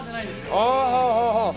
はあはあはあはあ。